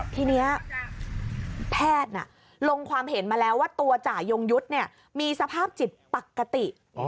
ทีนี้แพทย์ลงความเห็นมาแล้วว่าตัวจ่ายงยุทธ์มีสภาพจิตปกติ